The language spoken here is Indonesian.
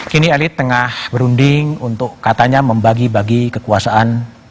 kini elit tengah berunding untuk katanya membagi bagi kekuasaan